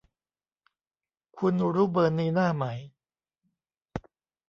คุณรู้เบอร์นีน่าไหม